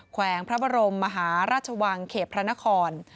แขวงพระบรมมหาราชวังเขตพระนคร